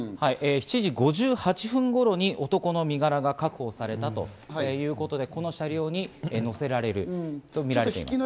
７時５８分頃に男の身柄が確保されたということで、この車両に乗せられるとみられます。